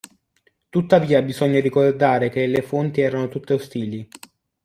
Tuttavia bisogna ricordare che le fonti erano tutte ostili.